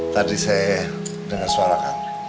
tadi saya dengar suara kamu